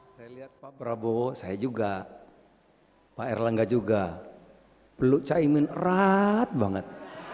saya lihat pak prabowo saya juga pak erlangga juga peluk caimin erat banget